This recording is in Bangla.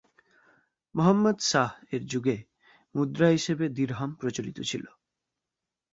মুহাম্মদ সাঃ এর যুগে মুদ্রা হিসেবে দিরহাম প্রচলিত ছিলো।